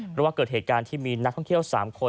เพราะว่าเกิดเหตุการณ์ที่มีนักท่องเที่ยว๓คน